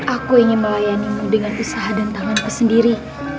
aku ingin melayani kamu dengan usaha dan tanganku sendiri